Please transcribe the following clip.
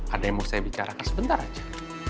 ada yang mau saya bicarakan sebentar aja